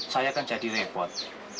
saya akan jadi repot